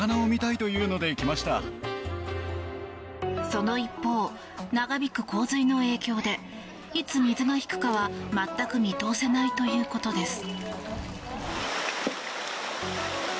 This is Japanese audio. その一方、長引く洪水の影響でいつ水が引くかは全く見通せないということです。